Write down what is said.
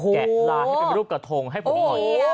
แกะลาให้เป็นรูปกระทงให้ผมหน่อย